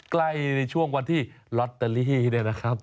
ใกล้ในช่วงวันที่ลอตเตอรี่เนี่ยนะครับ